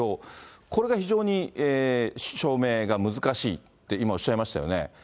これが非常に証明が難しいって、今、おっしゃいましたよね。